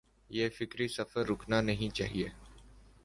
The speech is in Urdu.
یہ فکری سفر رکنا نہیں چاہیے۔